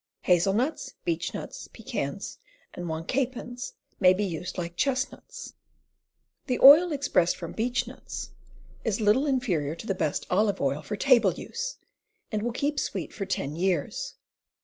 Hazel nuts, beech nuts, pecans, and wankapins may be used like chestnuts. The oil expressed from beech nuts is little 236 CAMPING AND WOODCRAFT inferior to the best olive oil for table use, and will keep sweet for ten years.